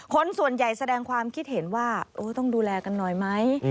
คนส่วนใหญ่แสดงความคิดเห็นว่าต้องดูแลกันหน่อยไหม